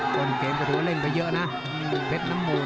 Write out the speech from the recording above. ต้นเกมก็ถือว่าเล่นไปเยอะนะเพชรน้ำมูล